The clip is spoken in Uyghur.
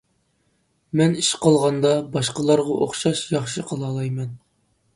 مەن ئىش قىلغاندا باشقىلارغا ئوخشاش ياخشى قىلالايمەن.